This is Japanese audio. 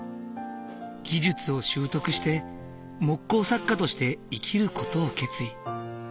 技術を習得して木工作家として生きる事を決意。